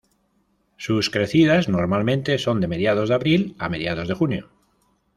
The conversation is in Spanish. Sus crecidas normalmente son de mediados de abril a mediados de junio.